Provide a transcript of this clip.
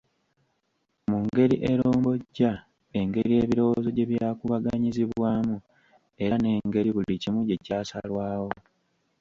Mu ngeri erombojja engeri ebirowoozo gye byakubaganyizibwamu era n’engeri buli kimu gye kyasalwawo.